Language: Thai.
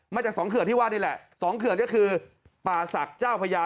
จากสองเขื่อนที่ว่านี่แหละสองเขื่อนก็คือป่าศักดิ์เจ้าพญา